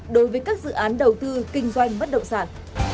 đối với các dự án đầu tư kinh doanh bất động sản